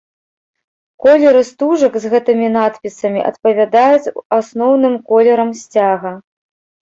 Колеры стужак з гэтымі надпісамі адпавядаюць асноўным колерам сцяга.